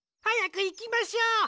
はやくいきましょう。